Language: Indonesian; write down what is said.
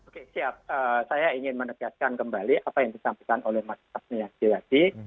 oke siap saya ingin menegaskan kembali apa yang disampaikan oleh mas tasmi yassi yassi